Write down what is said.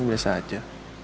ini biasa aja